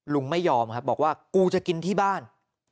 ลุงไม่ยอมครับบอกว่ากูจะกินที่บ้าน